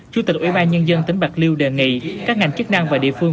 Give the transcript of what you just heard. chủ tịch ủy ban nhân dân tỉnh bạc liêu đề nghị các ngành chức năng và địa phương